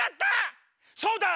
そうだ！